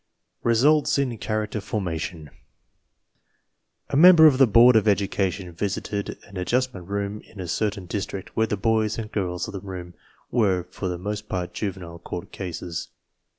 RESULTS IN CHARACTER FORMATION A member of the board of education visited an Ad justment Room in a certain district, where the boys and girls of the room were for the most part juvenile court cases.